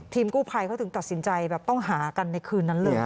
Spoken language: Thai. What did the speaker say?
กู้ภัยเขาถึงตัดสินใจแบบต้องหากันในคืนนั้นเลย